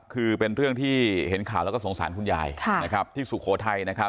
คือเป็นเรื่องที่เห็นข่าวแล้วก็สงสารคุณยายที่สุโขทัยนะครับ